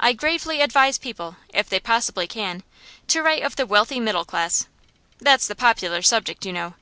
I gravely advise people, if they possibly can, to write of the wealthy middle class; that's the popular subject, you know.